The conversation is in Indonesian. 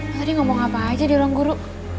lu tadi ngomong apa aja di ruang guru